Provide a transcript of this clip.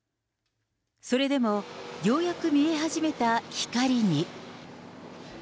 それでもようやく見え始めた光に。